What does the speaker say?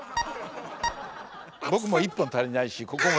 僕も１本足りないしここも。